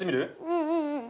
うんうんうん。